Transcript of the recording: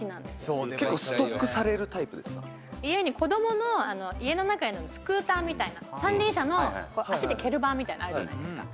「家に子どもの家の中で乗るスクーターみたいな三輪車の足で蹴る版みたいなのあるじゃないですか」